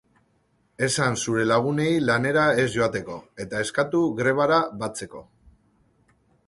Esan zure lagunei lanera ez joateko, eta eskatu grebara batzeko.